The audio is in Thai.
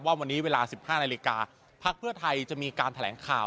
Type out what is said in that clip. ว่าวันนี้เวลา๑๕นาฬิกาพักเพื่อไทยจะมีการแถลงข่าว